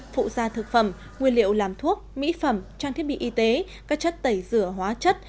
phụ gia thực phẩm nguyên liệu làm thuốc mỹ phẩm trang thiết bị y tế các chất tẩy rửa hóa chất